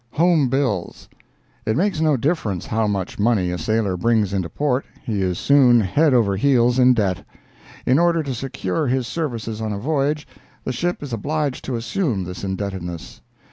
"Home Bills"—It makes no difference how much money a sailor brings into port, he is soon head over heels in debt. In order to secure his services on a voyage, the ship is obliged to assume this indebtedness.